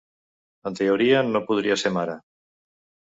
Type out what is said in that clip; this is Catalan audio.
En teoria, no podria ser mare.